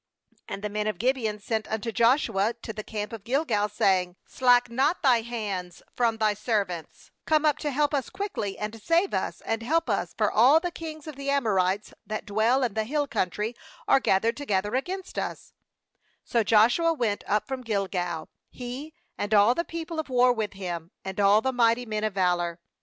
6And the men of Gibeon sent unto Joshua to the camp to Gilgal, saying : l Slack not thy hands from thy servants; come up to us quickly, and save us, and help us; for all the kings of the Amontes that dwell in the hill country are gathered together against us/ 7So Joshua went up from Gilgal, he, and all the people of war with him, and all the mighty men of valour.